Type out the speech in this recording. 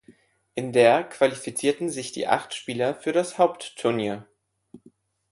In der qualifizierten sich die acht Spieler für das Hauptturnier.